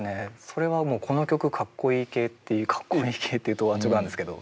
それはもうこの曲かっこいい系っていうかっこいい系って言うと安直なんですけど。